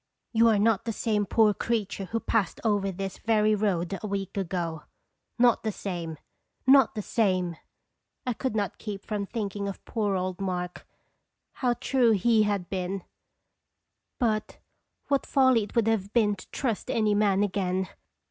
"You are not the same poor creature who passed over this very road a week ago not the same not the same!" I could not keep from thinking of poor old Mark. How true he had been ! But Qetonb Carb toins." 269 what folly it would have been to trust any man again!